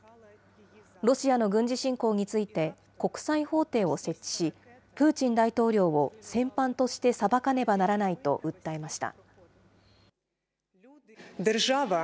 ロシアの軍事侵攻について、国際法廷を設置し、プーチン大統領を戦犯として裁かねばならないと訴えました。